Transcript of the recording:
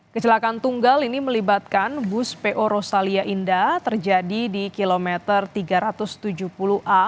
kecelakaan tunggal ini melibatkan bus po rostalia indah terjadi di kilometer tiga ratus tujuh puluh a